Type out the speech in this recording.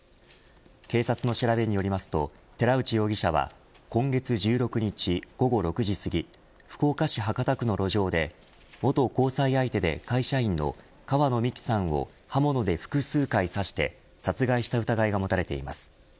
警察の調べによりますと寺内容疑者は今月１６日、午後６時すぎ福岡市博多区の路上で元交際相手で会社員の川野美樹さんを刃物で複数回刺して殺害した疑いが持たれています。